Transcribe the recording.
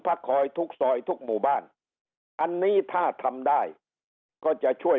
พักคอยทุกซอยทุกหมู่บ้านอันนี้ถ้าทำได้ก็จะช่วย